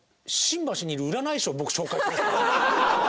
新橋にいる占い師を僕紹介しますね。